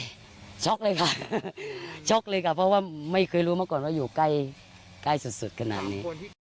ช็อกเลยค่ะช็อกเลยค่ะเพราะว่าไม่เคยรู้มาก่อนว่าอยู่ใกล้สุดขนาดนี้